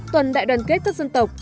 tuần đại đoàn kết thất dân tộc